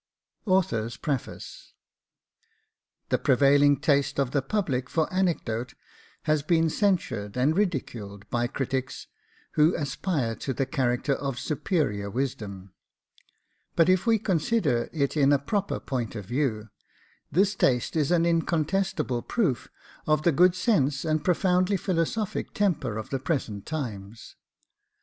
AUTHOR'S PREFACE The Prevailing taste of the public for anecdote has been censured and ridiculed by critics who aspire to the character of superior wisdom; but if we consider it in a proper point of view, this taste is an incontestable proof of the good sense and profoundly philosophic temper of the present times.